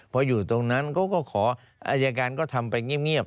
พออยู่ตรงนั้นเขาก็ขออายการก็ทำไปเงียบ